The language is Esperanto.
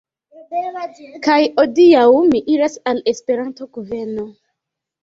Kaj hodiaŭ mi iras al Esperanto-kuveno.